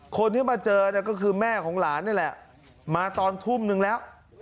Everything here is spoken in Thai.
คนที่มาเจอเนี่ยก็คือแม่ของหลานนี่แหละมาตอนทุ่มนึงแล้ว